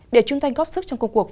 để chúng ta góp sức